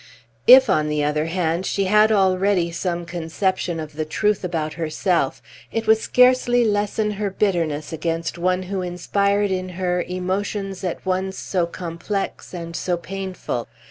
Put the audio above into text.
If, on the other hand, she had already some conception of the truth about herself, it would scarcely lessen her bitterness against one who inspired in her emotions at once so complex and so painful.